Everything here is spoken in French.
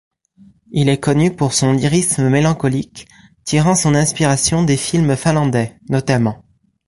Il est connu pour son lyrisme mélancolique, tirant son inspiration des films finlandais, notamment.